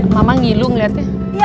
pegang yang kenceng ya